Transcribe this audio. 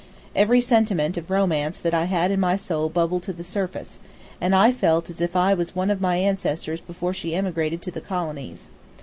Every sentiment of romance that I had in my soul bubbled to the surface, and I felt as if I was one of my ancestors before she emigrated to the colonies.